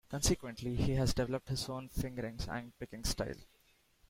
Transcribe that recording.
Consequently, he has developed his own fingerings and picking style.